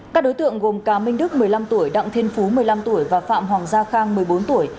các đối tượng gồm cá minh đức một mươi năm tuổi đặng thiên phú một mươi năm tuổi và phạm hoàng gia khang một mươi bốn tuổi